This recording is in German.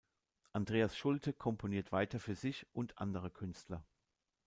Andreas Schulte komponiert weiter für sich und andere Künstler.